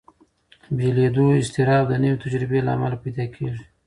بېلېدو اضطراب د نوې تجربې له امله پیدا کېږي.